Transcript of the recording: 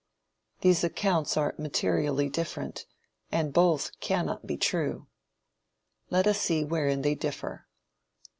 These accounts are materially different, and both cannot be true. Let us see wherein they differ.